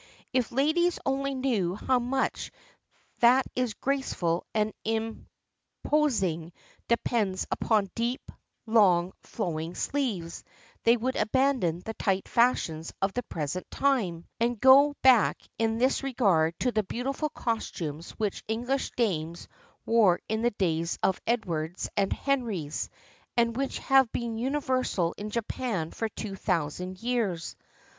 If ladies only knew how much that is graceful and impos ing depends upon deep, long, flowing sleeves, they would abandon the tight fashions of the present time, and go back in this regard to the beautiful costumes which English dames wore in the days of the Edwards and Henries, and which have been universal in Japan for two thousand years.